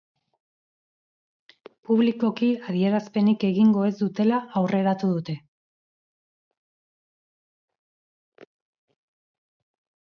Publikoki adierazpenik egingo ez dutela aurreratu dute.